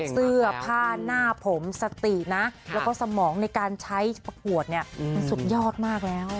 เสื้อผ้าหน้าผมสตินะแล้วก็สมองในการใช้ประกวดเนี่ยมันสุดยอดมากแล้ว